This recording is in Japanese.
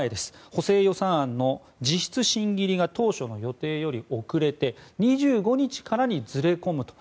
補正予算案の実質審議入りが当初の予定より遅れて２５日からにずれ込むと。